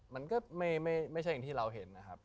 มันก็ไม่ใช่อย่างที่เราเห็นนะครับ